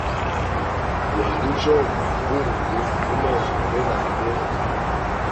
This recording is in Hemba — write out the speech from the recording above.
Gwali ujyomba bunvu mu meso gabenage.